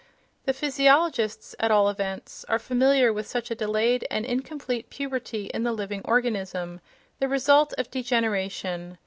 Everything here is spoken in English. The physiologists, at all events, are familiar with such a delayed and incomplete puberty in the living organism, the result of degeneration.